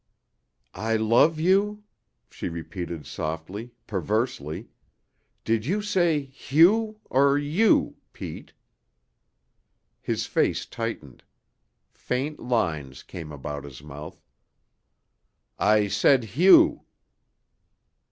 "I love you?" she repeated softly, perversely. "Did you say 'Hugh' or 'you,' Pete?" His face tightened; faint lines came about his mouth. "I said 'Hugh!